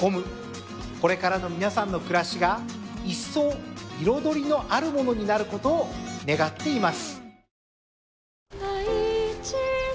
これからの皆さんの暮らしがいっそう彩りのあるものになることを願っています。